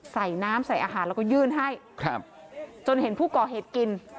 ใส่น้ำใส่อาหารแล้วก็ยื่นให้ครับจนเห็นผู้ก่อเหตุกิน